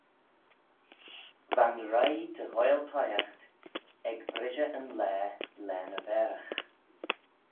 Va'n roie dy ghoaill toshiaght ec brishey yn laa laa ny vairagh.